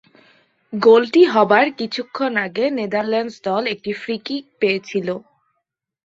গোলটি হবার কিছুক্ষণ আগে নেদারল্যান্ডস দল একটি ফ্রি কিক পেয়েছিলো।